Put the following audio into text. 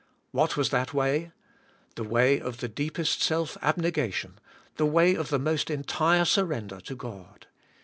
What was that way? The way of the deepest self abnegation, the way of the most entire surrender to God.